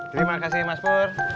terima kasih mas pur